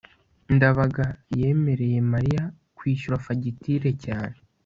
ndabaga yemereye mariya kwishyura fagitire cyane